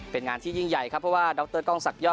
เป็นงานที่ยิ่งใหญ่ครับเพราะว่าดรกล้องศักด